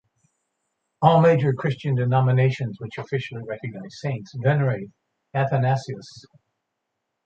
All major Christian denominations which officially recognize saints venerate Athanasius.